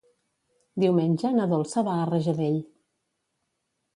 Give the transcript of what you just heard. Diumenge na Dolça va a Rajadell.